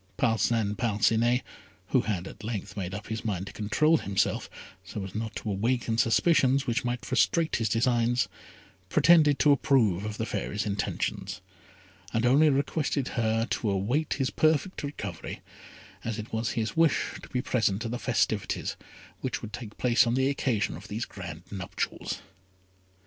Parcin Parcinet, who had at length made up his mind to control himself, so as not to awaken suspicions which might frustrate his designs, pretended to approve of the Fairy's intentions, and only requested her to await his perfect recovery, as it was his wish to be present at the festivities which would take place on the occasion of these grand nuptials.